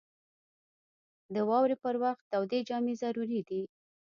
• د واورې پر وخت تودې جامې ضروري دي.